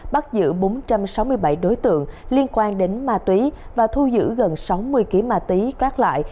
bắt giữ bốn trăm sáu mươi bảy đối tượng liên quan đến ma túy và thu giữ gần sáu mươi kg ma túy các loại